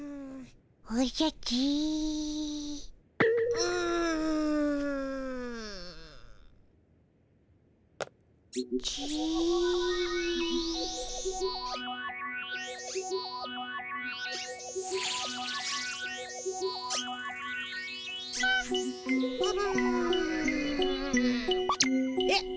うん。えっ？